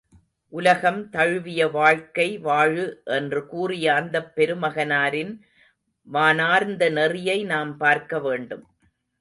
உலகம் தழுவிய வாழ்க்கை வாழு என்று கூறிய அந்தப் பெருமகனாரின் வானார்ந்த நெறியை நாம் பார்க்க வேண்டும்.